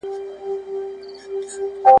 بې پلانه سياسي هڅي تل د ناکامۍ سره مخ کېږي.